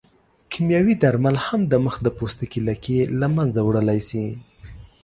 کیمیاوي درمل هم د مخ د پوستکي لکې له منځه وړلی شي.